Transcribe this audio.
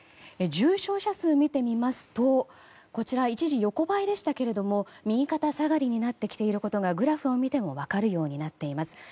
重症者数を見てみますと一時、横ばいでしたが右肩下がりになってきていることがグラフを見ても分かるようになっています。